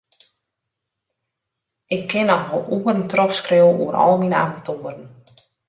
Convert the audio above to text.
Ik kin noch wol oeren trochskriuwe oer al myn aventoeren.